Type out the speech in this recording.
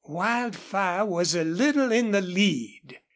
Wildfire was a little in the lead.